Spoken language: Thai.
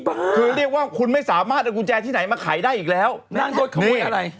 ก็คือเรียกว่าคุณไม่สามารถเอากุญแจที่ไหนมาขายได้อีกแล้วนางโดนขโมยอะไร